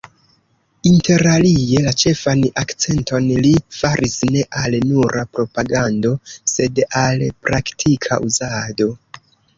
Interalie la ĉefan akcenton li faris ne al nura propagando, sed al praktika uzado.